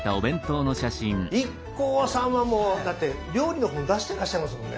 ＩＫＫＯさんはもうだって料理の本出してらっしゃいますもんね。